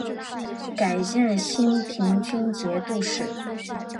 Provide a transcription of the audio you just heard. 改任兴平军节度使。